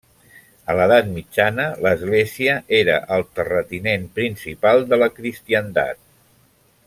A l'edat mitjana l'església era el terratinent principal de la cristiandat.